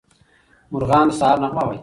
مارغان د سهار نغمه وايي.